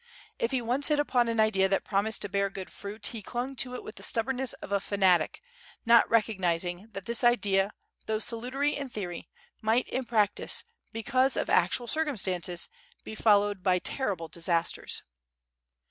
If he once hit upon an idea that promised to bear good fruit he clung to it with the stubbornness of a fanatic, not recognizing that this idea though ealutary in theory, might in practice, be cause of actual circumstances, be followed by terrible dis asters.